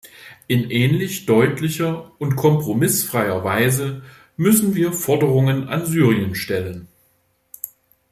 In ähnlich deutlicher und kompromissfreier Weise müssen wir Forderungen an Syrien stellen.